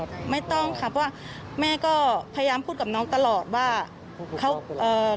ไม่ต้องค่ะเพราะว่าแม่ก็พยายามพูดกับน้องตลอดว่าเขาเอ่อ